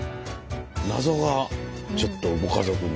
謎がちょっとご家族に。